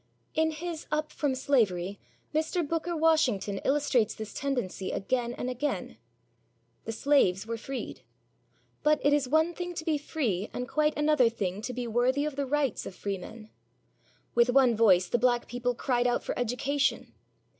In his Up From Slavery, Mr. Booker Washington illustrates this tendency again and again. The slaves were freed. But it is one thing to be free, and quite another thing to be worthy of the rights of freemen. With one voice the black people cried out for education.